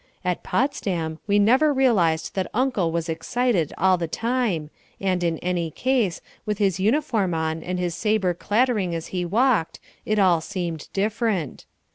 At Potsdam we never realized that Uncle was excited all the time, and, in any case, with his uniform on and his sabre clattering as he walked, it all seemed different.